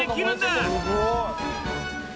すごい！